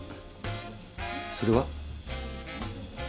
それは？